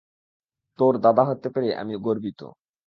তোর দাদা হতে পেরে আমি গর্বিত।